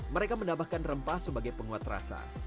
mereka menambahkan rempah sebagai penguat rasa